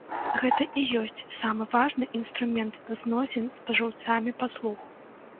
Гэта і ёсць самы важны інструмент зносін з спажыўцамі паслуг.